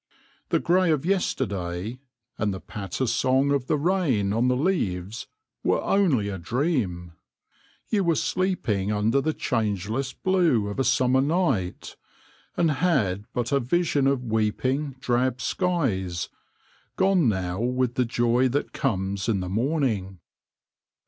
The grey of yesterday, and the patter song of the rain on the leaves, were only a dream. You were sleeping under the changeless blue of a summer night, and had but a vision of weeping, drab skies, gone now with the joy that comes in the morning.